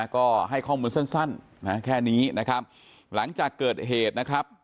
ก็ให้ข้อมูลสั้นแค่นี้นะครับหลังจากเกิดเหตุนะครับ